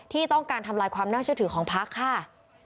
ที่ต้องการทำลายความน่าเชื่อถือของพักค่ะ